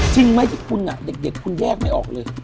จริงไหมที่คุณเด็กคุณแยกไม่ออกเลย